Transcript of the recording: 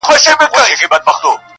انسان وجدان سره مخ کيږي تل